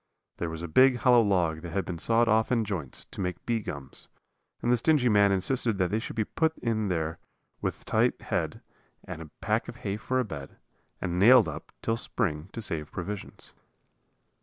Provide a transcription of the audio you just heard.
There was a big, hollow log that had been sawed off in joints to make bee gums; and the stingy man insisted that they should be put in there with a tight head, and a pack of hay for a bed, and nailed up till spring to save provisions.